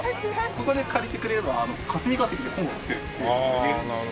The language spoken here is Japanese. ここで借りてくれれば霞ケ関で本を売ってるって言える。